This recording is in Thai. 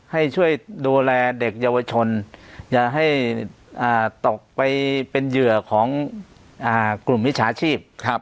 ให้ช่วยดูแลเด็กเยาวชนอย่าให้ตกไปเป็นเหยื่อของกลุ่มมิจฉาชีพ